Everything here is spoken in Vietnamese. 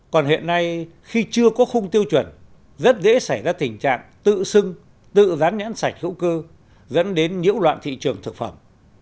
còn hiện nay khi chưa có khung tiêu chuẩn rất dễ xảy ra tình trạng tự sưng tự rán nhãn sạch hữu cơ dẫn đến nhiễu loạn thị trường thực phẩm